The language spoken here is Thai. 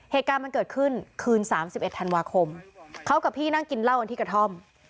เหตุการณ์มันเกิดขึ้นคืน๓๑ธันวาคมเขากับพี่นั่งกินเหล้ากันที่กระท่อม